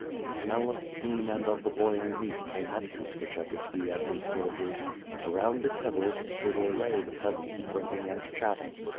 The smell of steam and of the boiling meat came up to Skshetuski and his soldiers. Around the kettles, stood or lay the peasants drinking and chatting.